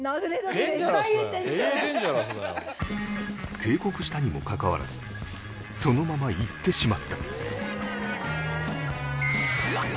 警告したにもかかわらずそのまま行ってしまった